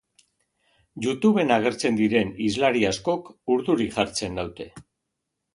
YouTuben agertzen diren hizlari askok urduri jartzen naute.